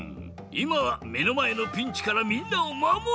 いまはめのまえのピンチからみんなをまもる！